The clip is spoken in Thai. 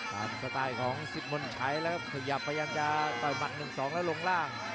ตามสไตรของสิบมนต์ชัยแหละครับขยับพยายามจะต่อยมัดหนึ่งสองแล้วลงล่าง